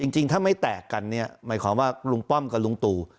จริงถ้าไม่แตกกันเนี่ยหมายความว่าลุงป้อมกับลุงตู่